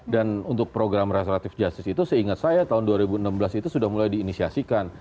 dan untuk program restoratif justice itu seingat saya tahun dua ribu enam belas itu sudah mulai diinisiasikan